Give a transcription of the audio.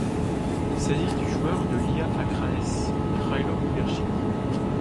Il s'agit du joueur de l'ÍA Akranes, Mihajlo Bibercic.